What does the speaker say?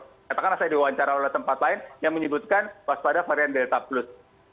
katakanlah saya diwawancara oleh tempat lain yang menyebutkan waspada varian delta plus